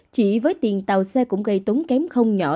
chỉ với tiền tàu xe cũng gây tốn kém không nhỏ